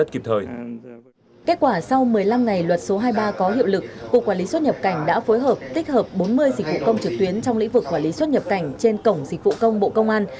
kết quả sau một mươi năm ngày luật số hai mươi ba có hiệu lực cục quản lý xuất nhập cảnh đã phối hợp tích hợp bốn mươi dịch vụ công trực tuyến trong lĩnh vực quản lý xuất nhập cảnh trên cổng dịch vụ công bộ công an